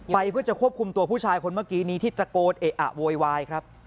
เพื่อจะควบคุมตัวผู้ชายคนเมื่อกี้นี้ที่ตะโกนเอะอะโวยวายครับ